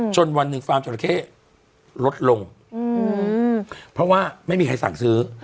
วันหนึ่งฟาร์มจราเข้ลดลงเพราะว่าไม่มีใครสั่งซื้อ